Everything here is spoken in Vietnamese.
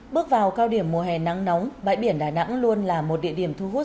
bước vào cao điểm mùa hè nắng nóng bãi biển đà nẵng luôn là một địa điểm thu hút